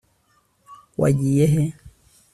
wagiye he